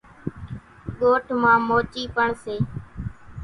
ڳوٺ مان موچِي پڻ سي۔